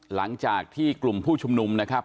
หลังจากที่กลุ่มผู้ชุมนุมนะครับ